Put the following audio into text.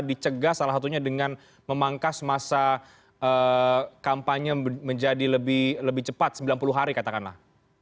apakah itu memang bisa dicegah salah satunya dengan memangkas masa kampanye menjadi lebih cepat sembilan puluh hari katakanlah